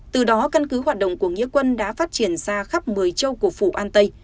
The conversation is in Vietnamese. từ đó căn cứ hoạt động của nghĩa quân đã phát triển ra khắp một mươi châu của phủ an tây